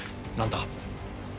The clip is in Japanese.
何だ？